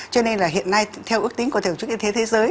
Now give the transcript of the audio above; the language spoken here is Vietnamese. cho nên là hiện nay theo ước tính của tổ chức y tế thế giới